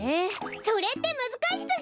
それってむずかしすぎる！